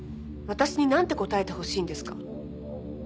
私になんて答えてほしいんですか？